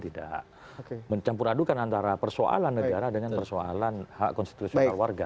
tidak mencampur adukan antara persoalan negara dengan persoalan hak konstitusional warga